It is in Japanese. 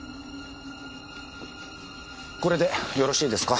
これでよろしいですか？